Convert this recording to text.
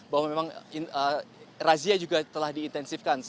bahwa memang razia juga telah diintensifkan